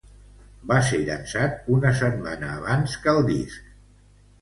Va ser llançat una setmana abans que el disc.